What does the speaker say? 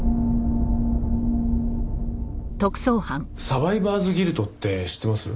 サバイバーズギルトって知ってます？